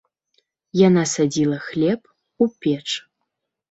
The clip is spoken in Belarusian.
Яна садзіла хлеб у печ.